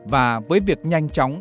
và với việc nhanh chóng